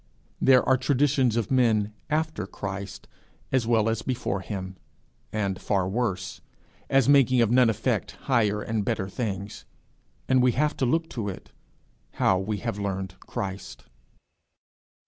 There are 'traditions of men' after Christ as well as before him, and far worse, as 'making of none effect' higher and better things; and we have to look to it, how we have learned Christ.